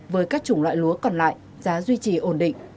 với các chủng loại lúa còn lại giá duy trì ổn định